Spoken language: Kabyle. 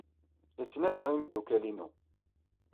La ttnadiɣ imeddukal-inu.